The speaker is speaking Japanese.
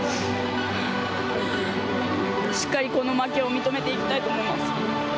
しっかり、この負けを認めていきたいと思います。